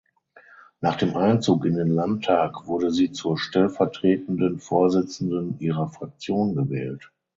Nach dem Einzug in den Landtag wurde sie zur Stellvertretenden Vorsitzenden ihrer Fraktion gewählt.